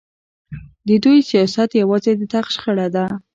د دوی سیاست یوازې د تخت شخړه ده.